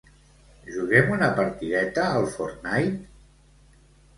Juguem una partideta al "Fortnite"?